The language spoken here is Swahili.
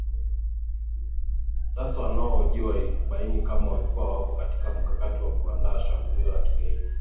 sasa wanahojiwa ilikubaini kama walikuwa wako katika mkakati wa kuandaa shambulio la kigaidi